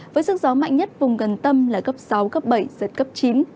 với sức gió mạnh nhất vùng gần tâm là cấp sáu cấp bảy giật cấp chín